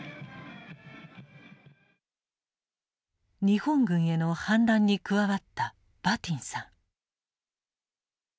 日本軍への反乱に加わったバティンさん。